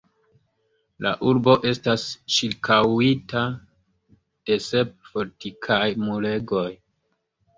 La urbo estas ĉirkaŭita de sep fortikaj muregoj.